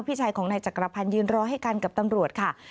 พี่ชายของนายจักรพันธ์ยืนรอให้กันกับตำรวจค่ะ